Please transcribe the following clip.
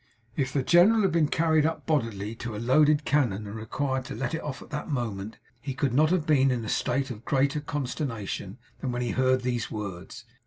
If the general had been carried up bodily to a loaded cannon, and required to let it off that moment, he could not have been in a state of greater consternation than when he heard these words.